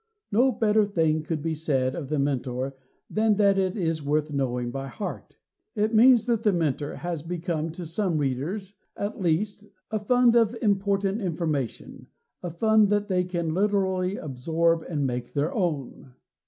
No better thing could be said of The Mentor than that it is worth knowing by heart. It means that The Mentor has become to some readers at least a fund of important information a fund that they can literally absorb and make their own.